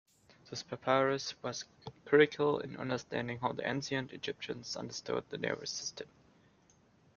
This papyrus was crucial in understanding how the ancient Egyptians understood the nervous system.